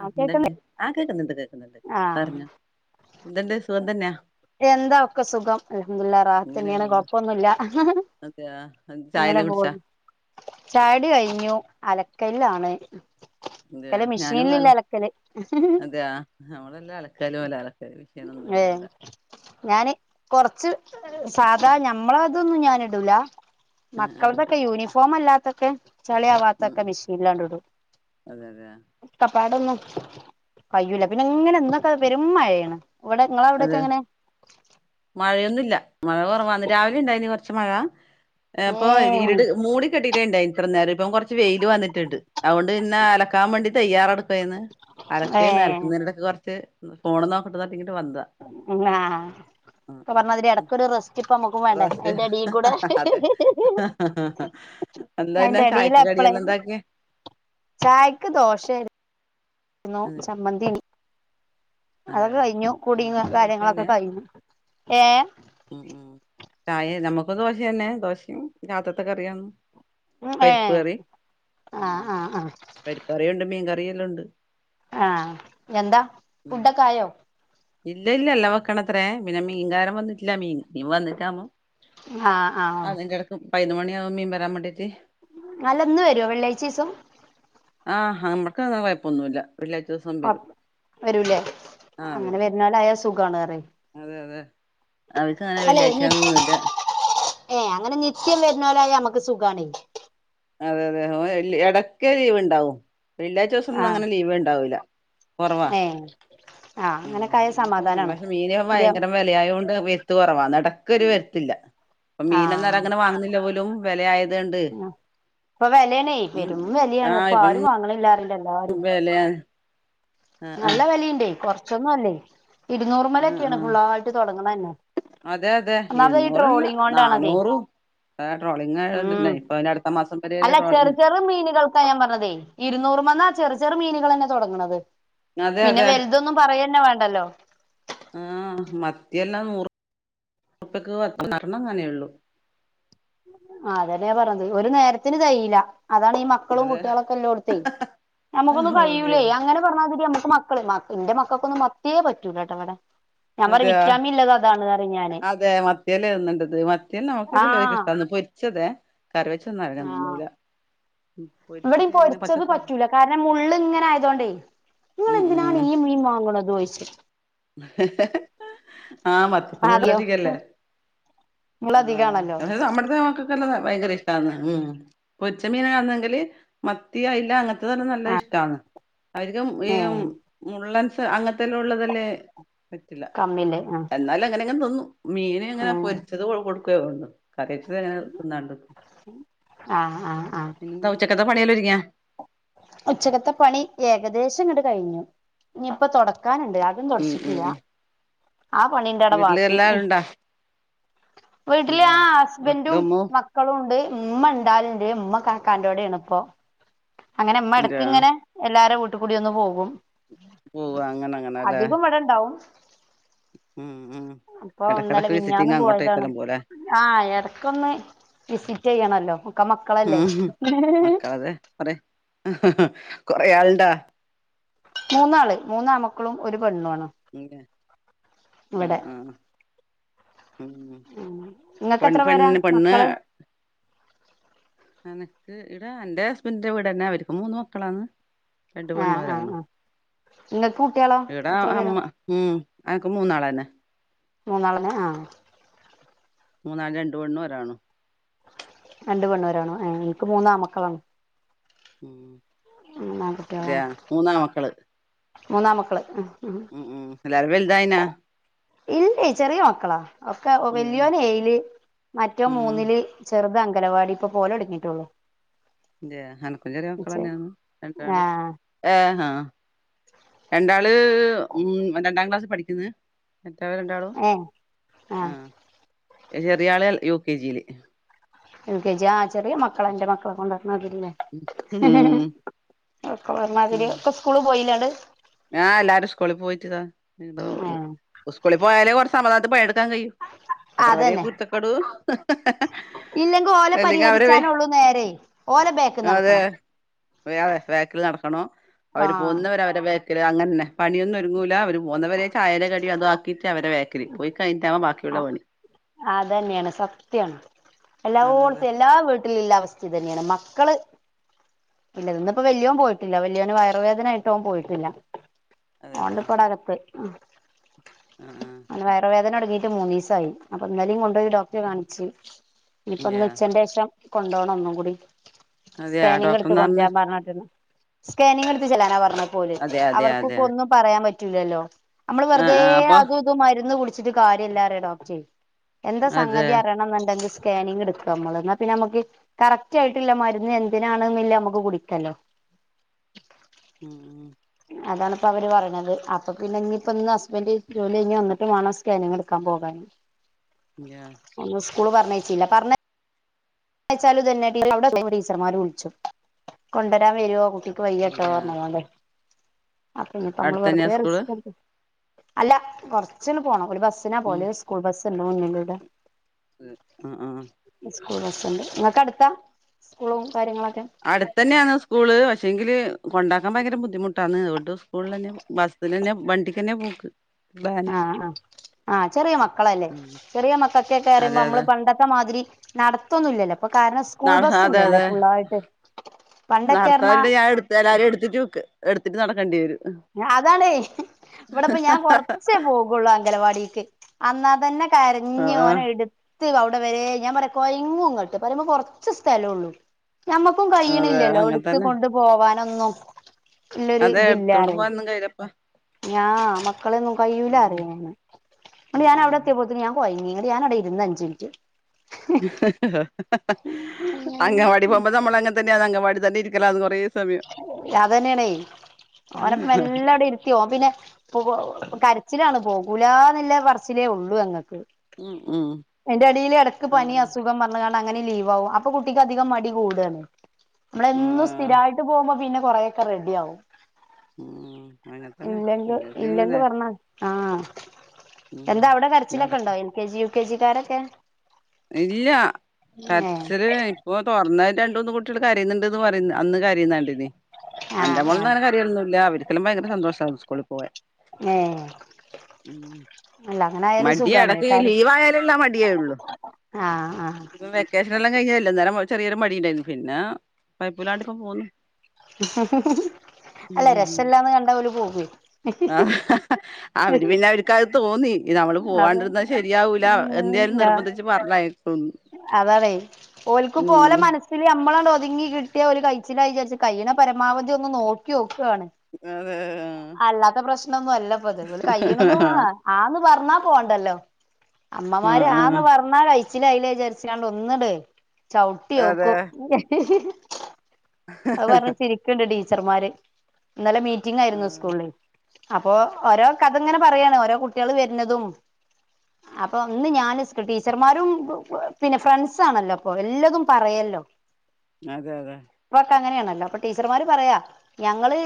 ആ ആഹ്! എണ്ട് കേൾക്കുന്നേ ആഹ് കേൾക്കുന്നുണ്ട് കേക്കുന്നുണ്ട് ആഹ് പറഞ്ഞു എന്തണ്ട് സുഖം തന്നെയാ എന്താ ഒക്കെ സുഖം അലഹദ ല റാത്ത് ഇങ്ങനെ തന്നെയാണ് പോകുന്നു കൊഴപ്പൊന്നുമില്ല അതെയ ചായല്ലാ കുടിച്ചാ ചായടി കഴിഞ്ഞു അലക്കല്ല ആണ് അതയാ ഞ ഞാനും അതെയ നമ്മളെല്ലാം ആല ക്കലും വല്ല ആലക്ക മീ ഷീണൊന്നുമല്ല ഇവിടെ ഞാാന് കൊറച്ച് സാധാ ഞമ്മള അതൊന്നും ഞൻ ഇടൂല ആ ആ മക്കളതൊക്കെ യൂണിഫോം അല്ലാത്തൊക്കെ ചളി ഉം ആവാാത്തൊക്കെ ഉം. മെഷീ ല്ലാണ്ട ഇടും അതെ അതെ കപ്പാടൊന്നും കഴൂല പിന്നെ അങ്ങനെ എന്തൊക്കെ വെരും മഴയാണ് ഇവിടെ നിങ്ങള അവിടെക്ക അതെ എങ്ങനെ മഴയൊന്നുല്ല മഴ കുറവാന്ന് രാവിലെ ഉണ്ടായിന് കൊറച്ച് മഴ ഇപ്പൊ ഇരുട് മൂടി കെട്ടിട്ടേ ഇണ്ടായിന് എത്ര നേരം ഇപ്പം കൊറച്ച് വെയിയില് വന്നിട്ടിണ്ട് അതൊണ്ട് പിന്നെ അലക്കാൻ വേണ്ടി തയ്യാറെടുക്കുവായിന്ന് ഏ അലക്കേ ഏ നിലക്കുന്നതിടൊക്കെ കുറച്ച് ഫോണ് നോക്കിട്ട എന്നട്ട ഇങ്ങിട്ട് വന്നതാണ് ആ ഇപ്പൊ പറഞ്ഞതില് ആ ഇടക്ക ഒരു റെസ്റ്റ് ഇപ്പ നമ്മുക്കും വേണ്ടേ റസ്റ്റ് അതിന്റെ അടി കൂടെ അതെ എന്താ പിന്നെ ൻന്റെറെടിയില ചായക്ക് എപ്പളേ കടിയെല്ലാം എന്താക്കിയെ ചായക്ക് ദോശല്ല ന്നോ ഉം സംബന്തി അതൊക്കെ അതെയോ കഴിഞ്ഞു കുട നമുക്കും ദോശ കാര്യങ്ങളൊക്കെ തന്നെ കഴിഞ്ഞു ഏ ചായേ നമുക്ക ദോശം തന്നെ ദോശയും കാത്തത്തൊക്കെ അറിയന്ന് ഉം ഏ പരിപ്പ് കറി ഉ ആ ആ ആ പരിപ്പ് കറിിയുണ്ട് മീൻകറിിയ എല്ലാം ഉണ്ട് ആഹ എന്താ ഉം ഫുഡൊക്കെ ആയോ ഇല്ല ഇല്ല അല്ല വെക്കണത്രേ പിന്നെ മീൻകാരം വന്നിട്ടില്ല മീൻ മീൻ വന്നിട്ടാോ ആ ആ അതിന്റെിടക്ക് പതിനതിന മണിയ ആക മീൻ വരാൻ വേണ്ടിട്ട് നല്ലൊന്നും വരുവോ വെള്ളാഴ്ചീസം ആഹ നമ്മുക്ക് അങ്ങന വായ്പൊന്നുമല്ല പ വരൂലേ ആഹ് അങ്ങനെ വരും വരുന്നാൽ അയാ സുഖമാണ് റെ അവക്ക് അങ്ങനെ വെള്ളിയാഴ്ചന്നൊ ഒന്നുംല്ല ഏ അങ്ങനെ നിത്യം വരുന്നല നമുക്ക് സുഖമാണ് അതെ അതെ ഇടക്ക ലീവ ഉണ്ടാവും വെള്ളിയാഴ്ച ആ ദിവസംന്നും അങ്ങനെ ലീവ് ഉണ്ടാവൂില്ല കൊറവാ ഏ ആ ഉ അങ്ങനൊക്കായ മീനൊക്കെ പക്ഷെ മീനക്കെ സമാധാനാണ് ഭയങ്കര വിലയായുകൊണ്ട് [unintelligible] ഒരു വരുത്തില്ല പ്പം മീനന്നരം ആഹ് അങ്ങനെ വാങ്ങുന്നില്ല പോലും വിലയായ അതണ്ട് ഇപ്പൊ വിലയണേ പെരും വിലയാണ് ഇപ്പൊ ആരും വാങ്ങണില്ലാ വെലയാ നല്ല വലയുണ്ടേ കൊറച്ചൊന്നുംല്ലേ ആഹ് ഇരുന്നൂലുമ്മേലൊക്കെയാണ് ആഹ് ഫുള്ളായിട്ട് തുടങ്ങണ തന്നെ അതെ അതെ ഇരുന്നൂറല്ല കൊണ്ടാണതേ നന്നൂറും ഉം മാസം വരെയല്ലേ അല്ല ചെറു ട്രോളിങ് ചെറു മീനുകൾക്കാ ഞാൻ പറഞ്ഞതേ ഇരുന്നൂറ് ർമന്നാ ചെറ ചെറു മീനുകൾന്നെ തുടങ്ങണുന്നത് അതെ പിന്നെ അതെ വലുതൊന്നും പറയന്നെ വേണ്ടല്ലോ പത്തിയെല്ലാം നൂറ് നറുപ്പക്ക് [unintelligible] ആ അതന്നാ പറഞ്ഞത് ഒരു നേരത്തിന് തയ്ല്ല അതാണ് ഈ മക്കളും അതെ കുട്ടികളുംക്കെ എല്ലോടത്തേ നമുക്കൊന്നു കഴയിൂലേ അതെയോ അങ്ങനെ പറഞ്ഞാൽതിരിക്ക് മക്കളെ എന്റെ മക്കൾക്കൊന്നും മത്തിയേ പറ്റൂല കേട്ടോ ഇവിടെ ഞാൻ പറ അതെയോ വിറ്റാമിൻ ഇല്ലതാണ് അതെ മത്തിയല്ലേ തിന്നണ്ടത് മത്തിയേൽ നമുക്ക് ഇടല്ല ആഹ് ഇഷ്ടന്ന് പൊരിച്ചതെ [unintelligible] തന്നൂല ഇവിടയും പൊരിച്ചത് പറ്റൂല കാരണം മുള്ളിങ്ങനെ ആയതോണ്ടേ ഉം നിങ്ങളെന്തിനാണ് ഈ മീൻ വാങ്ങണ ചോദിച്ച ആഹ മത്തിക്ക് അതെയോ മള്ളതികല്ലേ നിങ്ങള് ആ അധികാണല്ലോ നമ്മടത്തെ മക്കക്കൊക്കെല്ല ഭയങ്കര ഇഷ്ടം ഉ ഒച്ചമീന ആണെങ്കില് മത്തിയ അയില അങ്ങനത്തെ തന്നെ നല്ല ഇഷ്ടമാണ് അവരിക്കും ഈ ഏഹ് മുള്ളൻസ് അങ്ങനത്തെല്ലാം ഉള്ളത് പറ്റില്ല കമ്മില്ലേ ആഹ് എന്നാലും അങ്ങനെങ്ങനെ തിന്നും മീന ഇങ്ങനെ ഉം പൊരിച്ചത് കൊടുക്കും ആഹ് ആഹ് [unintelligible] ഉച്ചക്കത്തെ പണിയൽരിക്ക അാ ഉച്ചകത്തെ പണി ഏകദേശങ്ങിട് കഴിഞ്ഞു ഇനിയിപ്പ തുൊട കക്കാനുണ്ട് അതും ഉം തുടച്ചിട്ടില്ല ഉം ആ പണീന്റെട വീട്ടില് ബാക്കി എല്ലാരും ഉണ്ടാ വീട്ടില് ആ ഹസ്ബൻറും വീട്ടിലുമ്മു മക്കളും ഉണ്ട് ഉമ്മ ഉണ്ടാലിന്റെ ഉമ്മ കക്കാന്റെകൂടെയാണ് ഇപ്പോൊ അങ്ങനെ അമ്മ ഇടക്ക ഇങ്ങനെ എല്ലാരും വീട്ടി കൂടി ഒന്ന് പോകും പോവാ അങ്ങനെ അങ്ങനെല്ലേ അധികം മട ഇണ്ടാവും ഉം ഉം അപ്പൊ ഒന്നല്ല എടക്കെടക്ക് വിഞ്ഞന്ന് വിസിറ്റിംഗ് പോയതാണ് അങ്ങോട്ടേക്കെല്ലാം പോവല്ലേ ആഹ് ഇടക്കൊന്ന് വിസിറ്റ് ചെയ്യണല്ലോ ഒക്കെ ഉ മക്കളല്ലേ മക്കളതെ കുറെ കൊറെ ആളിണ്ടാ മൂന്നാള് മൂന്നാമക്കളും ഒരു പെണ്ണും ആണ് ആഹ ഇവിടെ ആ ഉം ഉം ഇങ്ങക്ക് പെൺ എത്ര പെൺ പേരാ പെണ്ണ് മക്കള് എനക്ക് ഇവിടാ എന്റെ ഹസ്ബൻഡ് ന്റെ വീടന്നെ അവര്ക്കും മൂന്ന് മക്കളാണ് രണ്ട് പെണ്ണൂ ആഹ് ആഹ് ഒരാണും ആഹ് ഇങ്ങക്ക് കുട്ടികളോ ഇവിടെ എത്ര പേരാ അമ്മ ഉം അനക്ക് മൂന്നാളെന്നെ മൂന്നാളന്നെ ആ മൂന്നാല് രണ്ടു പെണ്ണും ഒരാണും രണ്ട് പെണ്ണും ഒരാണും ഏ എനിക്ക് മൂന്നാമക്കളാണ് ഉം മൂന്നാൺകുട്ടികളാണ് [unintelligible] മൂന്നാമക്കള് മൂന്നാമക്കള് ഉം ഉം എല്ലാരും വലുതായിനാ ഇല്ലേ ചെറിയ മക്കളാ ഒക്കെ ഉം വല്യോൻ ഏയില് മറ്റോന് ഉം മൂന്നില് ചെറുത അങ്ക കലവാടി ഇപ്പോ പോവലൊട്ങ്ങീട്ടുള്ളു തെ എനക്കും ചെറിയ മക്കള് തന്നെയാണ് രണ്ടാള് ആഹ് ഏഹ് രണ്ടാള് ഉം രണ്ടാം ക്ലാസ്സി പഠിക്കുന്നു മറ്റവര് രണ്ടാളും ഏഹ് ആ ആഹ് ചെറിയ ആള് യു കെ ജില് യു കെ ജി യാ ആ ചെറിയ മക്കളാ ന്റെ മക്കളെ കൊണ്ട് മാതിരില്ലേ ഉം ഒക്കെ പറഞ്ഞ ഉം മാതിരി ഒക്കെ സ്കൂള് പോയില്ലാണ്ട് ആ എല്ലാരും സ്കൂളിൽ പോയിട്ട്താ ഏഹ് സ്കൂളി പോയാലേ കൊറച്ച് സമധാനം പണിയെടുക്കാൻ കഴിയൂ അത്ര വലിയ കുരുത്തക്കേട് ഇല്ലെങ്കിൽ ഓല അല്ലെങ്കിൽ അവര് പരിഹരിച്ചാനൊള്ളു നേരെേ ഓല ബാക്ക് അതെ നടക്കണം അതെ ബാക്കില് നടക്കണം അവര് ആഹ് പോകുന്നവരെ അവരുടെ ബാക്കില് അങ്ങനന്നെ പണിയൊന്നും ഒരുങ്ങൂല അവര് പോന്നവരെ ചായേടെ കടി അതാക്കിയിട്ട് അവരെ ബാക്കില് പോയി കഴിഞ്ഞിട്ടാവും ബാക്കിയുള്ള പണി അതന്നെയാണ് സത്യാണ് അതെ അതെ എല്ലവോടത്തും എല്ലാ വീട്ടി ലുള്ള അവസ്ഥ ഇതന്നെയാണ് മക്കള് ഇല്ല ഇന്നിപ്പോ വല്ല്യോൻ പോയിട്ടില്ല വല്യോൻ വയറുവേദന ആയിട്ട് ഓൻ പോയിട്ടില്ല അതെ അതെ ഓണ്ട്പ്പോടകത്ത് ആ ആ ഓൻ വയർ വേദനെടു ങ്ങീട്ട് മൂന്നീസായി അപ്പൊ ഇന്നലിം കൊണ്ടോയി ഡോക്ടറെ കാണിച്ച് ഇനിപ്പൊ ഇന്നൂച്ചേന്റേഷം കൊണ്ടോണം ഒന്നും കൂടി അതെയ അതെയ സ്കാനിങ് എടുത്ത് ഡോക്ടർന്ന് പറഞ്ഞ കൊണ്ടുരാൻ പറഞ്ഞിട്ടുണ്ട് സ്കാനിങ് എടുത്ത് ചെല്ലാനാ പറഞ്ഞെപ്പോല് അതെ അതെ അവർക്കും അതെ പ്പോ ഒന്നും പറയാൻ പറ്റൂല്ലല്ലോ നമ്മള് ആ വെറുതെ ആ അപ്പൊ അതും ഇതും മരുന്ന് കുടിച്ചിട്ട് കാര്യംല്ലാ എന്നറിയ ഡോക്ടറ് എന്താ അതെ സംഗതി അറിയണം എന്ന്ണ്ടെങ്കി സ്കാനിങ് എടുക്ക നമ്മള് എന്ന പിന്നെ നമുക്ക് കറക്റ്റ് ആയിട്ടില്ല മരുന്ന് എന്തിനാണ്ന്ന്ല്ല നമുക്ക് കുടിക്കല്ലോ ഉം ഉം അതാണ്പ്പൊ അവര് പറയ്ണത് അപ്പൊ പിന്നെ ഇനി ഇപ്പൊ ഇന്ന് ഹസ്ബൻന്റ് ജോലി കഴിഞ്ഞ് വന്നിട്ട് വേണം സ്കാനിങ് എടുക്കാൻ പോകാന് ഞാ ഒന്ന് സ്കൂള് പറഞ്ഞയച്ചില്ല പറഞ്ഞ യച്ചാലും ഇതന്നെ ടീച്ചർമാര് വിളിച്ചും കൊണ്ടരാൻ വരോ കു ട്ടിക്ക് വയ്യാട്ടോ അതെയ പറഞ്ഞ്കൊണ്ട് അ ഇനീപ്പോ നമ്മള് അടുത്തന്നെയാ വെറുതെ സ്കൂള് റിസ്‌ക് എടുത്ത് അല്ല കൊറച്ചങ്ങട് പോണം ഒരു ബസ് ബസിനാ പോവല് സ്കൂൾ ബസ് ഉണ്ട് മുന്നിലൂടെ മ് ആഹ് ആഹ് സ്കൂൾ ബസുണ്ട് നിങ്ങക്ക് അടുത്താ സ്കൂളും കാര്യങ്ങളൊക്കെ അടുത്തന്നെയാണ് സ്കൂള് പഷെ ങ്കില് കൊണ്ടാക്കാൻ ഭയങ്കര ബുദ്ധിമുട്ടാണ് അതോണ്ട് സ്കൂളിൽ തന്നെ ബസില് തന്നെ വണ്ടിക്ക് തന്നെയാ പോക്ക് വാന് ആഹ് ആഹ് ആഹ് ചെറിയ മക്കളല്ലേ ഉം ചെറിയ മക്കക്കൊക്കെറിമ്പോ അതെ നമ്മള് അതെ പണ്ടത്തെ മാതിരി നടത്തൊന്നുംല്ലല്ലോ പ്പോ അപ്പൊ കാരണം സ്കൂൾ ബസ്സ് ഇണ്ടല്ലോ ഫുള്ളായിട്ട് പണ്ടൊക്കെ പറഞ്ഞാ നടത്ത ഞാൻ എടുത്ത് എല്ലാരും എടുത്തിട്ട് എടുത്തിട്ട് നടക്കേണ്ടി വരും അതാണ് ഇവിടിപ്പോ ഞാൻ കൊറച്ചേ പോകുള്ളൂ അംഗനവാടിക്ക് അന്നാതന്നെ കരഞ്ഞ് ആഹ് ഓനെ എടു ത്ത് അവിടെ വരെ ഞാൻ പറയും കൊയങ്ങു അങ്ങോട്ട് പറയുമ്പോ കുറച്ച് സ്ഥലം ഉള്ളൂ ഞമ്മക്കും അതെ കഴിയണില്ലല്ലോ അങ്ങനെ എടുത്തു തന്നെ കൊണ്ട് പോവാനൊന്നും ഉള്ളൊരു അതെ ഇതില്ലാ എടുത്തോണ്ട് റയും പോവാനൊന്നും കയ്യിലപ്പ ഞാ മക്കളെൊന്നും കഴിയൂല അറിയന്ന് എന്നിട്ട് ഞാൻ അവിടെ എത്തിയപ്പോളേക്കും ഞാൻ കൊയഞ്ഞു ഞാന് അവിടെ ഇരുന്ന് അഞ്ച് മിനിറ്റ് അംഗനവാടി പോകുമ്പോ നമ്മൾ അങ്ങ തന്നെയ അംഗനവാടി തന്നെരിക്കലാന്ന് പറയും അതന്നെയണെ ഓന മെല്ലെ അവിടെ ഇരുത്തി പോവും പിന്നെ കരച്ചിലാണ് പോകും കൂല ന്നുല്ല പറച്ചിലേ ഉള്ളു അങ്ങൾക്ക് ഉം ഉം അയിന്റെ എടേൽ ഇടക്ക് പനി അങ്ങനെ അസുഖം പറഞ്ഞ്കൊണ്ട് അങ്ങനെ ലീവ് ആകും അപ്പൊ കുട്ടിക്ക് അധികം മടി കൂടാണ് നമ്മളെന്നും ആഹ് സ്ഥിരായിട്ട് പോകുമ്പോ പിന്നെ കൊറെ ഒക്കെ റെഡി ആവും ഉം അങ്ങനെ തന്നെ ഇല്ലെങ്ക എല്ലാർക്കും ഇല്ലെങ്കിൽ പറഞ്ഞാ ആഹ ഉം എന്താ അവിടെ നട കരച്ചിലൊക്കെ ഉണ്ടോ N K G U K ജിക്കാരൊക്കെ ഇല്ല ഏഹ് കരച്ചില് ഇപ്പൊ തുറന്ന രണ്ട മൂന്ന് കുട്ടികൾ കരയുന്നുണ്ട്ന്ന് പറയ അന്ന് കരയുന്നകണ്ടിനി എന്റെ ആഹ് മോളൊന്നും ആഹ് അങ്ങനെ കരയൊന്നുല്ലാ അവർ ക്കെല്ലാം ഭയങ്കരന്തോഷം ആന്ന് സ്കൂൾ ഏഹ് ഉ അല്ല അങ്ങനെ ആയാലും മടിയ സുഖാണേ ഇടക്ക് കാര്യം ലീവായാലുള്ള മടിയേള്ളൂ ആഹ് ആഹ് ഇപ്പൊ വെക്കേഷനെല്ലാം കഴിഞ്ഞല്ലന്നേരം ചെറിയരു മടിണ്ടായിരുന്നു പിന്നെ കൊയപ്പില്ലാണ്ട് ഇപ്പ പോന്നു അല്ല രസ എല്ലാന്ന് കണ്ട ഓല് പോവേ ആ അവര് പിന്നെ അവർക്ക് അത് തോന്നി ഈ നമ്മള് അത് പോവാണ്ടിരുന്ന ശരിയാവൂല എന്തിയാലും നിർബന്ധിച്ച് പറഞ്ഞയക്ക് അതാണെ ഓൽക്ക് പോലെ ഉം മനസ്സില് അമ്മളണ്ട മുതുങ്ങി കിട്ടിയ ഒരു കൈച്ചിലായി വിചാരിച്ച കൈയ്യണ പരമാവധി ഒന്ന് നോക്കിയോക്കാണ് അതെ അല്ലാത്ത പ്രശ്നൊന്നും അല്ലപ്പ ഇത് കഴ്യണതും ആ ആന്ന് പറഞ്ഞാ പോണ്ടല്ലോ അമ്മമാര് ആഹ് ആന്ന് ആഹ് പറഞ്ഞാല് കഴച്ചില അയിലേ [unintelligible] ഒന്നിട അതെ ചവിട്ടിയോക്കും അത് പറഞ്ഞ് ചിരിക്കണ്ട് ടീച്ചർമാര് ഇന്നല മീറ്റിംഗ് ആയിരുന്നു ആഹ് സ്കൂളിൽ. അപ്പൊ ഓരോ കഥ ഇങ്ങനെ പറയയാണ് ഓരോ കുട്ടികൾ വരുന്നതും അപ്പൊ ഒന്ന് ഞാൻ ടീച്ചർമാരും പിന്നെ ഫ്രണ്ട്സ ആണല്ലോ അപ്പൊ എല്ലതും പറയല്ലോ അതെ അതെ ഇപ്പങ്ങനാണല്ലോ അപ്പൊ ടീച്ചർമാര് പറയാ ഞങ്ങള്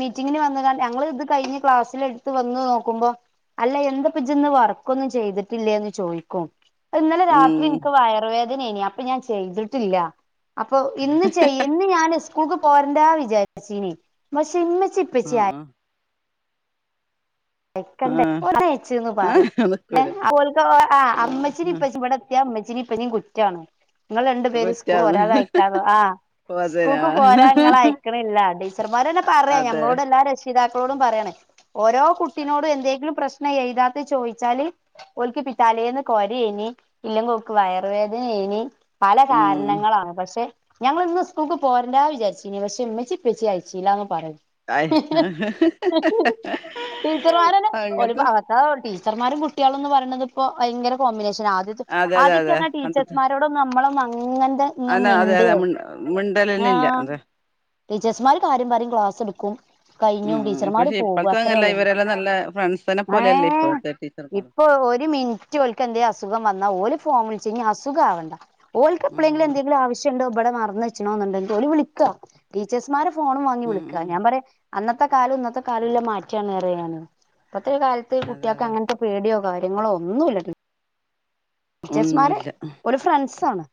മീറ്റിങ്ങിന് വന്ന് ഞങ്ങൾ ഇത് കഴിഞ് ക്ലാസിൽ ത്ത് വന്ന നോക്കുമ്പോ അല്ല എന്താപ്പിച്ചന്ന് വർക്കൊന്നും ചെയ്തിട്ടില്ലേന്ന് ചോദിക്കും ഇന്നലെ രാത്രി ഉം വേദന അപ്പൊ ഞാൻ ചെയ്തിട്ടില്ല അപ്പൊ ഇന്ന് ചെയ ഇന്ന് ഞൻ സ്ക്കൂൾക്ക് പോരണ്ടാ വിചാരിച്ചീന് പക്ഷെ ഇമ്മച്ചി ആ ഇപ്പച്ചി ആരെ ആ തെക്കണ്ട ആഹ് [unintelligible] പറ ആഹ് നിക്കൂല [unintelligible] ആഹ് ആഹ് അമ്മച്ചിനിപ്പച്ചി ഇവിടെത്തിയ ഇമ്മച്ചിനിപ്പേനേം കുറ്റാണ് നിങ്ങൾ രണ്ടു പേര് സ്കൂ കുറ്റാന്ന് ഒരാൾെ അയക്കാാവോ ആ പോതിനാ സ്കൂൾക്ക് പോരാ നിങ്ങ അയക്കണില്ല ടീച്ചർമാരന്നെ പറയാ അതെ ഞമ്മോളോട് എല്ലാം രഷീദാക്ക ക്കളോടും പറയാണ് ഓരോ കുട്ട നോട് എന്തെങ്കിലും പ്രശ്നം എഴുതാത്തെ ചോയിച്ചാല് ഓൽക്കിപ്പറ്റാലേന്ന് കോര ഈനി ഇല്ലെങ്ക വയർവേദന ഇനി പല ഉം കാരണങ്ങളാണ് പക്ഷെ ഞങ്ങളിന്ന് സ്കൂൾക്ക് പോരണ്ടാ വിചാരിച്ചു ഇനി പക്ഷെ ഇമ്മച്ചി ഇപ്പച്ചി അയച്ചി ഇല്ലാന്ന് പറയി ആായ [unintelligible] ടീച്ചർമാരന്നെ [unintelligible] ടീച്ചർമാരും കുട്ടികളന്ന് പറയണത് ഇപ്പോ ഭയങ്കര കോമ്പിനേഷൻ ആ അതെ അതെ ആദ്യക്കെ അതെ [unintelligible] പണ്ടത്തെ ടീച്ചേഴ്സ്മാരോടൊന്നും നമ്മള ഇങ്ങന്ത ഒന്നും അതെ അതെ മിണ്ടേ അതെ മി മിണ്ടലന്നെ ഇല്ല ആഹ അതെ - ടീച്ചേഴ്സ്മാര് കാര്യപറിംക്ലാസ് എടുക്കും ഉം കഴിഞ്ഞും ടീച്ചർമാര് പക്ഷെ പോകും ഇപ്പോഴത്തെ അത്രേ അങ്ങല്ല ഒള്ളു ഇവരെല്ലാം നല്ല ഫ്രണ്ട്സിനെ ഹോ പോലെയല്ലേ ഇപ്പോഴത്തെ ടീച്ചർമാർ ഇപ്പൊ ഒരു മിനിറ്റ് ഓല്ക്ക് എന്ത അസുഖം വന്നാൽ ഓല് ഫോൺ വിളിച്ച്ഞ്ഞ്അസുഖ ആവണ്ട ഓൽക്ക് എപ്പള്ളെങ്കിൽ ഉം എന്തെങ്കിലും ആവശ്യുണ്ടോ? ഇവിടെ മറന്ന് വെച്ചിണോന്നുണ്ടെങ്കി ഓല് വിളിക്കുക ടീച്ചേഴ്സ്മാരെ ഫോണും വാങ്ങി ഉം വിളിക്കുക ഉം ഞാൻ പറയാ അന്നത്തെ കാലം ഇന്നത്തെ കാലം ഇല്ല മാറ്റിയാണ് പറയാ ഞാനേ. ഇപ്പ കാലത്ത് അതെ കുട്ടിൾക്ക് അതെ അങ്ങനത്തെ പേടിയോ കാര് കാര്യങ്ങളോ ഒന്നുംല്ലാ ടീച്ചേഴസ്മാര് ഒന്നുല്ല ഓല് ഫ്രണ്ട്സ് ആണ്.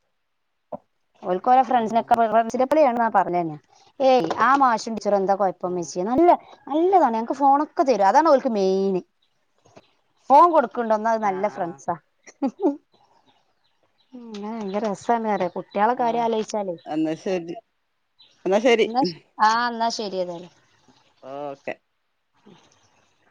ഓല്ക്ക് ഓലെ ഉം ഫ്രണ്ട്സിനൊക്കെ ഫ്രൻസിനെ പോലെയാണ് പറയഞ്ഞ ഏേ ആ മാഷിനെ ച്ചർഎന്താ കൊയപ്പം ഉം ഇമച്ചി നല്ല നല്ലതാണ് ഞങ്ങക്ക് ഫോണൊക്കെ തരും അതാണ് ഓൽക്ക് മെയിന് ഫോൺ കൊടുക്ക കൊണ്ടുന്നാ അത് നല്ല ആഹ് ആഹ് ഫ്രണ്ട്സാ ഭയങ്കര രസാണ് എന്നറിയോ കുട്ട്യാളെകാര്യം ആഹ് ആലോയിച്ചാലേ എന്നാ ശരി എന്നാ ആഹ് എന്നാ ശെ [unintelligible] ഓക്കെ [unintelligible]